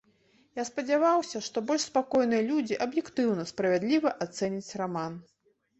Я спадзяваўся, што больш спакойныя людзі аб'ектыўна, справядліва ацэняць раман.